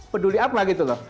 peduli apa gitu loh